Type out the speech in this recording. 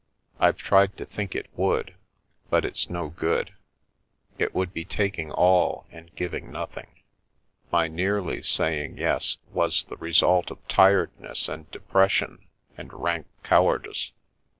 I've tried to think it would, but it's no good. It would be taking all and giving nothing. My nearly saying ' Yes ' was the result of tiredness and de pression and rank cowardice."